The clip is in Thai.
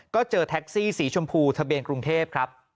ก็เจอแท็กซี่สีชมพูทะเบียนกรุงเทพครับ